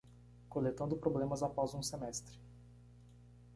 Coletando problemas após um semestre